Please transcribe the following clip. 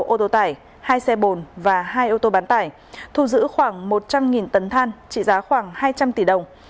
hai ô tô tải hai xe bồn và hai ô tô bán tải thu giữ khoảng một trăm linh tấn than trị giá khoảng hai trăm linh tỷ đồng